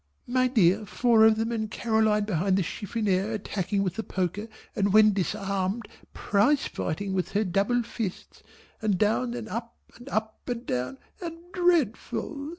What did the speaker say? My dear four of them and Caroline behind the chiffoniere attacking with the poker and when disarmed prize fighting with her double fists, and down and up and up and down and dreadful!